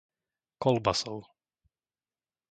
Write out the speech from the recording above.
Kolbasov